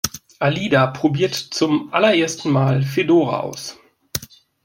Alida probiert zum allerersten Mal Fedora aus.